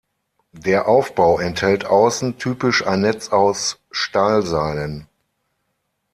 Der Aufbau enthält außen typisch ein Netz aus Stahlseilen.